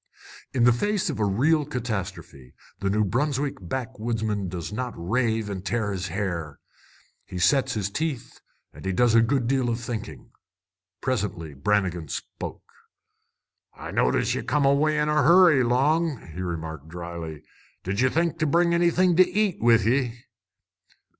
In the face of real catastrophe the New Brunswick backwoodsman does not rave and tear his hair. He sets his teeth and he does a good deal of thinking. Presently Brannigan spoke. "I noticed ye come away in a hurry, Long!" he remarked drily. "Did ye think to bring anything to eat with ye?"